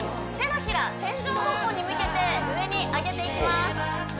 手のひら天井方向に向けて上に上げていきます